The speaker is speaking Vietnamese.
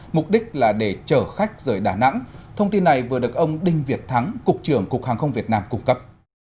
mục đích là để chở khách rời đà nẵng thông tin này vừa được ông đinh việt thắng cục trưởng cục hàng không việt nam cung cấp